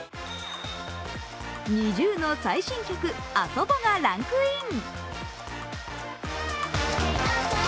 ＮｉｚｉＵの最新曲「ＡＳＯＢＯ」がランクイン。